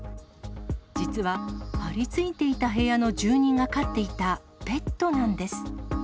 実は、張り付いていた部屋の住人が飼っていたペットなんです。